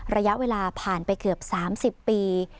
ระยะเวลาผ่านไปเกือบ๓๐ปี